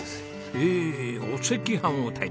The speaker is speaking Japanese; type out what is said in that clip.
ええお赤飯を炊いてます。